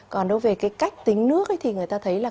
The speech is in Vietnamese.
còn đối với cái cách tính nước thì người ta thấy là